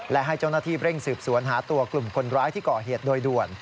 และให้เจ้าหน้าที่เร่งสืบสวนหาตัวกลุ่มคนร้ายที่ก่อเหตุโดยด่วน